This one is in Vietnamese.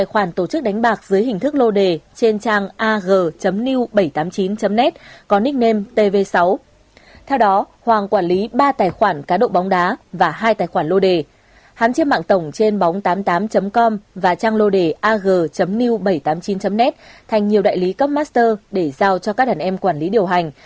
hán chiếm mạng tổng trên bóng tám mươi tám com và trang lô đề ag new bảy trăm tám mươi chín net thành nhiều đại lý cấp master để giao cho các đàn em quản lý điều hành